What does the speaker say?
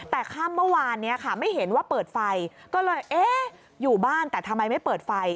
แต่ค่ำเมื่อวานนี้ค่ะไม่เห็นว่าเปิดไฟก็เลยเอ๊ะอยู่บ้านแต่ทำไมไม่เปิดไฟ